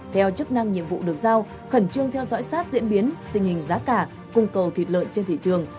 theo chức năng nhiệm vụ được giao khẩn trương theo dõi sát diễn biến tình hình giá cả cung cầu thịt lợn trên thị trường